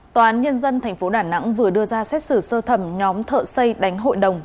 tòa án nhân dân tp đà nẵng vừa đưa ra xét xử sơ thẩm nhóm thợ xây đánh hội đồng